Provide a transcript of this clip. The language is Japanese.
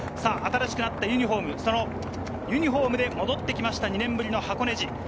新しくなったユニホーム、そのユニホームで戻ってきました２年ぶりの箱根路。